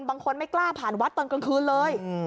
บางคนไม่กล้าผ่านวัดตอนกลางคืนเลย